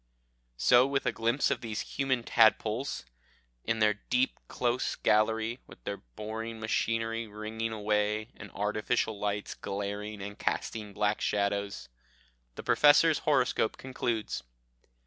So with a glimpse of these human tadpoles, in their deep close gallery, with their boring machinery ringing away, and artificial lights glaring and casting black shadows, the Professor's horoscope concludes.